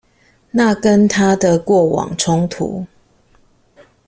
那跟他的過往衝突